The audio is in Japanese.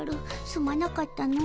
すまなかったの。